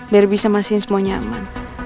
biar bisa masukin semuanya aman